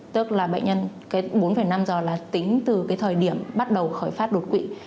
tức là bệnh nhân cái bốn năm giờ là tính từ cái thời điểm bắt đầu khởi phát đột quỵ